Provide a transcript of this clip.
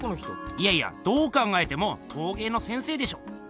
いやいやどう考えてもとうげいの先生でしょ。